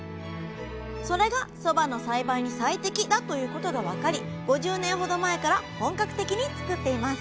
それがそばの栽培に最適だということが分かり５０年ほど前から本格的につくっています